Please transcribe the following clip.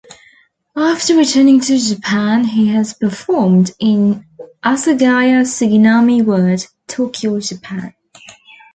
After returning to Japan, he has performed in Asagaya Suginami word, Tokyo Japan.